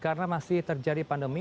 karena masih terjadi pandemi